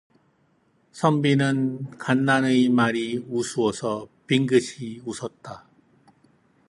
선비는 간난의 말이 우스워서 빙긋이 웃었다.